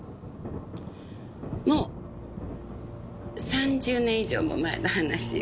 もう３０年以上も前の話よ。